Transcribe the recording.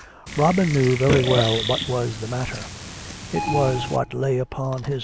Robin knew very well what was the matter; it was what lay upon his 20 COME RACK!